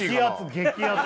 激アツ